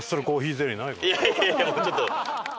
いやいやちょっと。